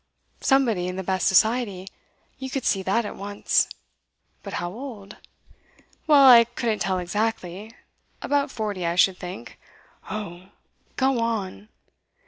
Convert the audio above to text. Somebody in the best society you could see that at once.' 'But how old?' 'Well, I couldn't tell exactly; about forty, I should think.' 'Oh! Go on.